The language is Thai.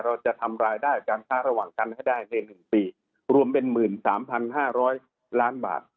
เราจะทำร้ายได้การค้าระหว่างกันให้ได้ในหนึ่งปีรวมเป็นหมื่นสามพันห้าร้อยล้านบาท